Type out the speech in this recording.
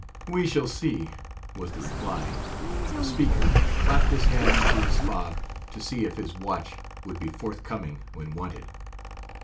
"We shall see," was the reply, and the speaker clapped his hand to his fob, to see if his watch would be forthcoming when wanted.